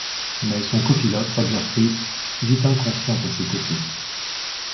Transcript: Mais son copilote Rodger Freeth git inconscient à ses côtés.